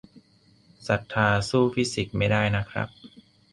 ศรัทธาสู้ฟิสิกส์ไม่ได้นะครับ